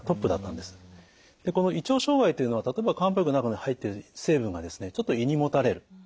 でこの胃腸障害というのは例えば漢方薬の中に入っている成分がちょっと胃にもたれる。